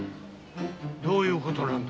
どういうことなんだ？